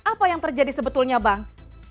apa yang terjadi sebetulnya bang